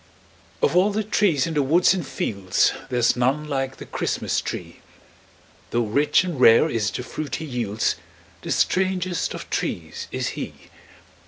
Of all the trees in the woods and fields There's none like the Christmas tree; Tho' rich and rare is the fruit he yields, The strangest of trees is he.